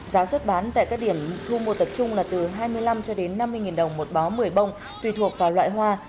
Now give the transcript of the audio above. giá xuất bán tại các điểm thu mua tập trung là từ hai mươi năm cho đến năm mươi đồng một bó một mươi bông tùy thuộc vào loại hoa